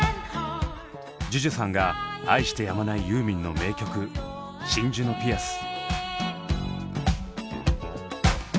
ＪＵＪＵさんが愛してやまないユーミンの名曲「真珠のピアス」。